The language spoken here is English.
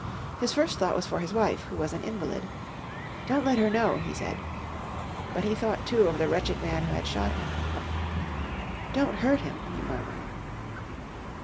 His first thought was for his wife, who was an invalid. "Don't let her know," he said. But he thought too of the wretched man who had shot him. "Don't hurt him," he murmured.